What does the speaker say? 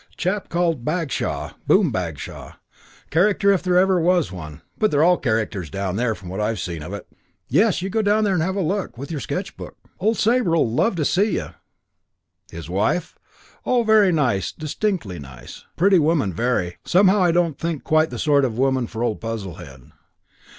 Chap called Bagshaw Boom Bagshaw. Character if ever there was one. But they're all characters down there from what I've seen of it.... "Yes, you go down there and have a look, with your sketch book. Old Sabre'll love to see you.... His wife?... Oh, very nice, distinctly nice. Pretty woman, very. Somehow I didn't think quite the sort of woman for old Puzzlehead.